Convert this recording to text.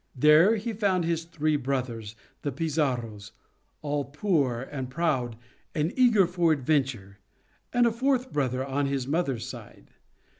There he found his three brothers, the Pizarros, all poor and proud and eager for adventure; and a fourth brother, on his mother's side.